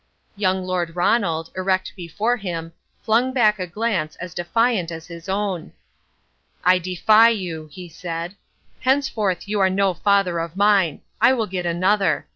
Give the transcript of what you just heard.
Young Lord Ronald, erect before him, flung back a glance as defiant as his own. "I defy you," he said. "Henceforth you are no father of mine. I will get another.